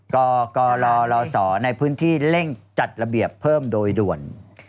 ก็รอรอสอในพื้นที่เล่นจัดระเบียบเพิ่มโดยด่วน